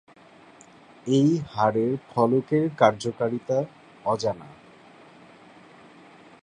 এই হাড়ের ফলকের কার্যকারিতা অজানা।